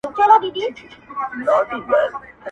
رسېدلى وو يو دم بلي دنيا ته.!